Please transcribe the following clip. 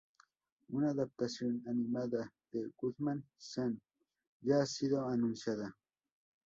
Una adaptación animada de "Gundam-san" ya ha sido anunciada.